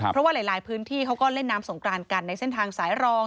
เพราะว่าหลายพื้นที่เขาก็เล่นน้ำสงกรานกันในเส้นทางสายรอง